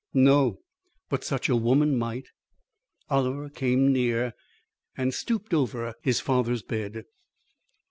"No, but such a woman might." Oliver came near, and stooped over his father's bed.